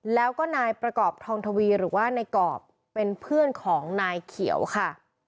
แล้วก็นายประกอบทองทวีหรือว่านายกรอบเป็นเพื่อนของนายเขียวค่ะ